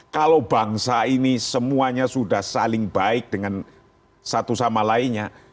kalau bangsa ini semuanya sudah saling baik dengan satu sama lainnya